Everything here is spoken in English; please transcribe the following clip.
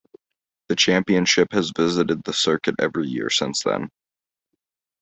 The championship has visited the circuit every year since then.